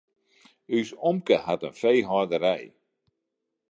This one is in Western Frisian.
Us omke hat in feehâlderij.